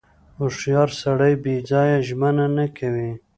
• هوښیار سړی بې ځایه ژمنه نه کوي.